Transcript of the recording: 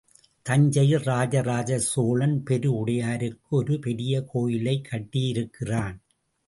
தஞ்சையில் ராஜ ராஜ சோழன் பெரு உடையாருக்கு ஒரு பெரிய கோயிலையே கட்டியிருக்கிறான்.